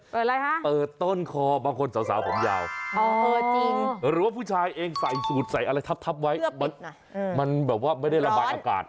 อะไรฮะเปิดต้นคอบางคนสาวผมยาวจริงหรือว่าผู้ชายเองใส่สูตรใส่อะไรทับไว้มันแบบว่าไม่ได้ระบายอากาศ